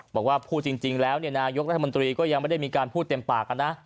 บอกว่าพูดจริงแล้วนายกรัฐมนตรีก็ยังไม่ได้มีการพูดเต็มปากนะ